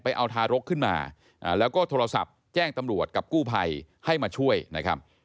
เอาทารกขึ้นมาแล้วก็โทรศัพท์แจ้งตำรวจกับกู้ภัยให้มาช่วยนะครับ